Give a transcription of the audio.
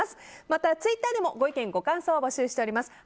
またツイッターでもご意見、ご感想を募集しています。